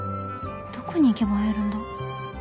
どこに行けば会えるんだ？